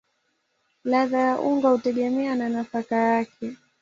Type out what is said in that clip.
Ladha ya unga hutegemea na nafaka yake.